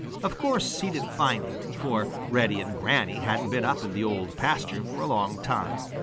Of course he didn't find them, for Reddy and Granny hadn't been up in the Old Pasture for a long time.